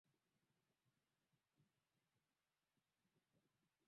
ee yaani chombo cha kutetea kilimo hichi